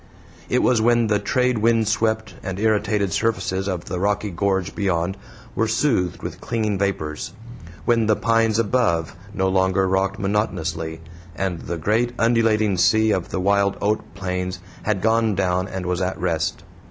It was when the trade wind swept and irritated surfaces of the rocky gorge beyond were soothed with clinging vapors; when the pines above no longer rocked monotonously, and the great undulating sea of the wild oat plains had gone down and was at rest.